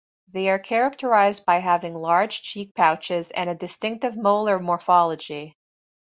They are characterized by having large cheek pouches and a distinctive molar morphology.